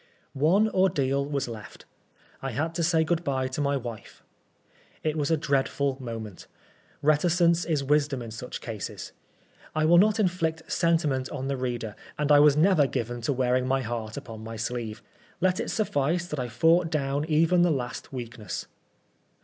One ordeal was left. I had to say good bye to my wife. It was a dreadful moment. Reticence is wisdom In such cases. I will not inflict sentiment on the reader, and I was never given to wearing my heart upon my sleeve. Let it suffice that I fought down even the last weakness.